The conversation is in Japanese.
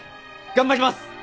頑張ります！